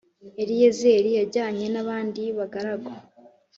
Eliyezeri yajyanye n abandi bagaragu